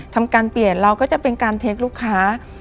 ทำการเปลี่ยนเราก็จะเป็นการเทคลูกค้า